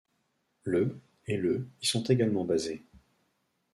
Le et le y sont également basés.